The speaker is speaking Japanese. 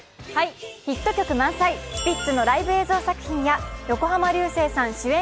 ヒット曲満載、スピッツのライブ映像作品や横浜流星さん主演